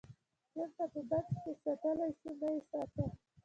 چېرته په بکس کې ساتلی شوو نه یې ساته.